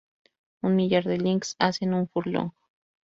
Un millar de links hacen un furlong.